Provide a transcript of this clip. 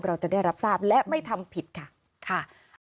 เราจะได้รับทราบและไม่ทำผิดค่ะค่ะ